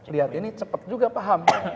lihat ini cepat juga paham